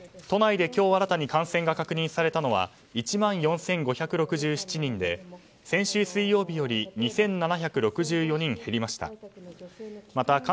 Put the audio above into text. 都内で今日新たに感染が確認されたのは１万４５６７人で先週水曜日より２７６４人減りました。